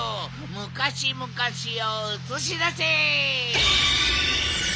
むかしむかしをうつしだせ。